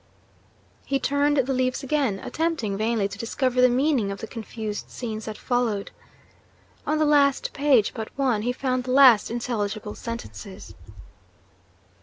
He turned the leaves again; attempting vainly to discover the meaning of the confused scenes that followed. On the last page but one, he found the last intelligible sentences.